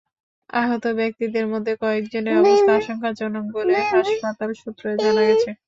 আহত ব্যক্তিদের মধ্যে কয়েকজনের অবস্থা আশঙ্কাজনক বলে হাসপাতাল সূত্রে জানা গেছে।